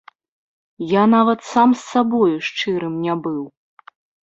Я нават сам з сабою шчырым не быў.